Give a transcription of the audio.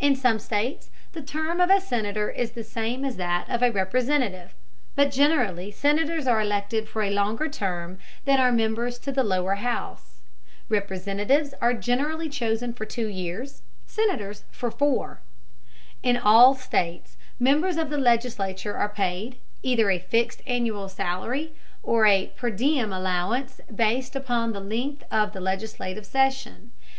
In some states the term of a senator is the same as that of a representative, but generally senators are elected for a longer term than are members to the lower house. Representatives are generally chosen for two years, senators for four. In all states, members of the legislature are paid, either a fixed annual salary or a per diem allowance based upon the length of the legislative session.